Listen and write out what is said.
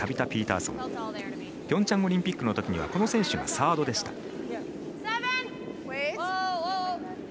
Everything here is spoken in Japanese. ピョンチャンオリンピックのときこの選手がサードでした。